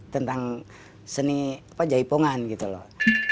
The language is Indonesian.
tentang seni jaipongan gitu loh